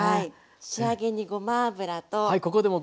仕上げにごま油と。